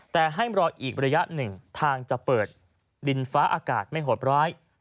แต่ให้รออีกระยะหนึ่งทางจะเปิดดินฟ้าอากาศไม่โหดร้าย